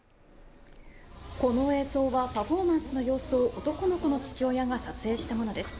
この映像はパフォーマンスの様子を男の子の父親が撮影したものです